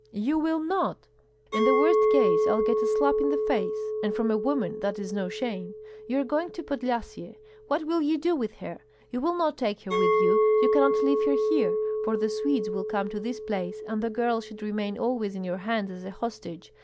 "You will not." "In the worst case I'll get a slap in the face, and from a woman that is no shame. You are going to Podlyasye, what will you do with her? You will not take her with you, you cannot leave her here; for the Swedes will come to this place, and the girl should remain always in our hands as a hostage.